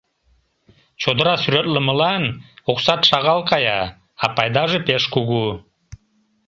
Чодыра сӱретлымылан оксат шагал кая, а пайдаже пеш кугу.